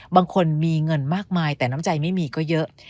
บางคนมีเงินมากมายแต่น้ำใจไม่มีก็เยอะ